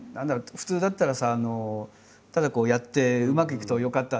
普通だったらさただこうやってうまくいくと「よかった」で終わっちゃうじゃない？